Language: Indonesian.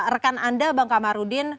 rekan anda bang kamarudin